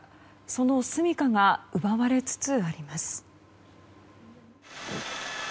そのすみかが奪われつつあります。